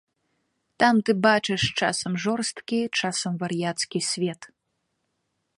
Там ты бачыш часам жорсткі, часам вар'яцкі свет.